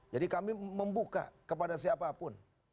jadi kami membuka kepada siapapun